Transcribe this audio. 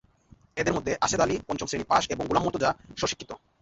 এঁদের মধ্যে আসেদ আলী পঞ্চম শ্রেণি পাস এবং গোলাম মোতুর্জা স্বশিক্ষিত।